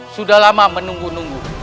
sudah lama menunggu nunggu